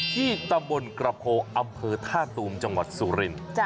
ที่ตำบลกระโพงอำเภอท่าตูมจังหวัดสุรินทร์